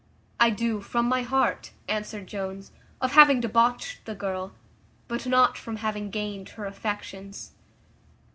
"I do, from my heart," answered Jones, "of having debauched the girl, but not from having gained her affections."